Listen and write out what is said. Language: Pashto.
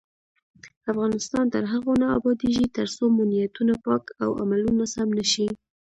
افغانستان تر هغو نه ابادیږي، ترڅو مو نیتونه پاک او عملونه سم نشي.